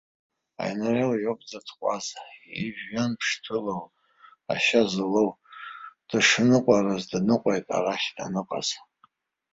Аинрал иауп дзытҟәаз, ижәҩан ԥштәалоу ашьа злоу дышныҟәарыз дныҟәеит арахь даныҟаз.